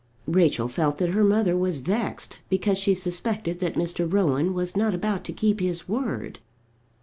Rachel felt that her mother was vexed, because she suspected that Mr. Rowan was not about to keep his word.